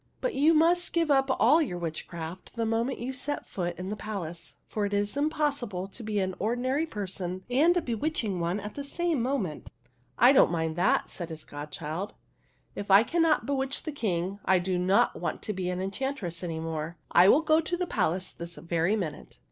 But you must give up all your witchcraft the moment you set foot in the palace, for it is impossible to be an ordi nary person and a bewitching one at the same moment." " I don't mind that," said his godchild. If THE HUNDREDTH PRINCESS 57 I cannot bewitch the King I do not want to be an enchantress any more. I will go to the palace this very minute